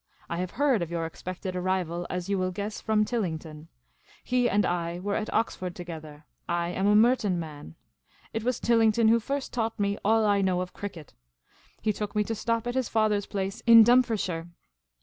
I have heard of your expected arrival, as you will guess, from Tillington. He and I were at Oxford together ; I am a Merton man. It was Tillington who first taught me all I know of cricket. He took me to stop at his father's place in Dumfriesshire.